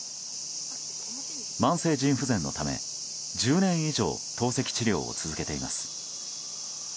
慢性腎不全のため、１０年以上透析治療を続けています。